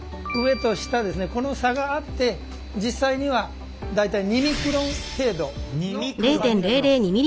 この差があって実際には大体２ミクロン程度の差になります。